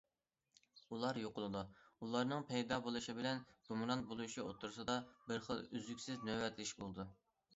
ئۇلار يوقىلىدۇ، ئۇلارنىڭ پەيدا بولۇشى بىلەن گۇمران بولۇشى ئوتتۇرىسىدا بىر خىل ئۈزۈكسىز نۆۋەتلىشىش بولىدۇ.